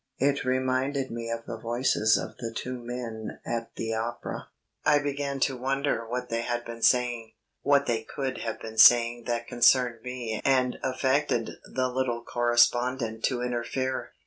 It reminded me of the voices of the two men at the Opera. I began to wonder what they had been saying what they could have been saying that concerned me and affected the little correspondent to interfere.